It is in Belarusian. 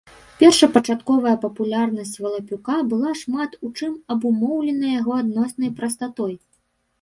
Першапачатковая папулярнасць валапюка была шмат у чым абумоўлена яго адноснай прастатой.